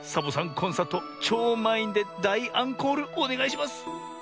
コンサートちょうまんいんでだいアンコールおねがいします！